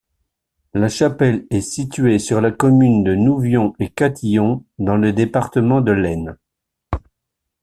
La chapelle est située sur la commune de Nouvion-et-Catillon, dans le département de l'Aisne.